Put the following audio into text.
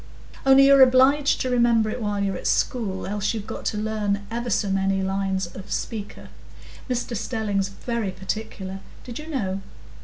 "Only you're obliged to remember it while you're at school, else you've got to learn ever so many lines of 'Speaker.' Mr Stelling's very particular—did you know?